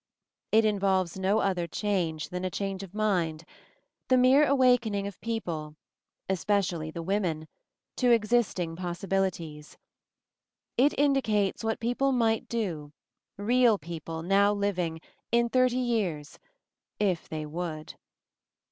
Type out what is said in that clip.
It involves no other change than a change of mind, the mere awakening of people, especially the women, to existing possibilities. It indicates what people might do, real people, now living, in thirty years — if they would.